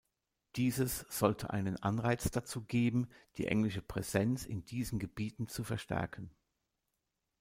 Dieses sollte einen Anreiz dazu geben, die englische Präsenz in diesen Gebieten zu verstärken.